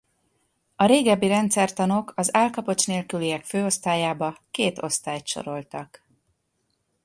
A régebbi rendszertanok az állkapocs nélküliek főosztályába két osztályt soroltak.